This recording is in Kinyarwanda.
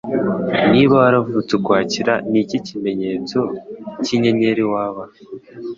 Niba Waravutse Ukwakira Niki kimenyetso cyinyenyeri Waba?